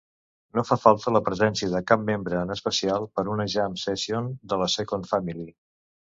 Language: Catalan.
No fa falta la presència de cap membre en especial per una Jam session de la Second Family.